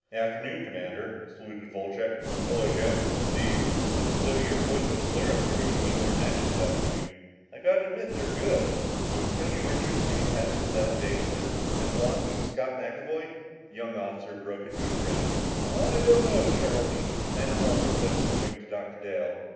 "Afternoon, Commander," saluted Wolcheck. "Hello, Joan, Steve. Looks as though your boys on the Polaris are going to meet their match this afternoon. I've got to admit they're good, but with Tony Richards feeding passes to Al Davison and with the blocking of Scott McAvoy " The young officer broke off with a grin. "I don't know, Charlie," Commander Walters said with a wink to Dr. Dale.